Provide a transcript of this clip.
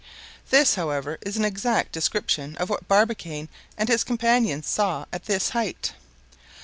This, however, is an exact description of what Barbicane and his companions saw at this height.